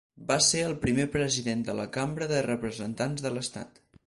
Va ser el primer president de la Cambra de Representants de l'estat.